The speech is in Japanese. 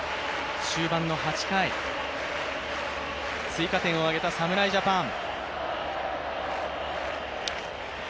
終盤の８回、追加点を挙げた侍ジャパン。